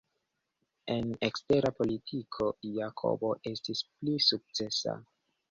En ekstera politiko, Jakobo estis pli sukcesa.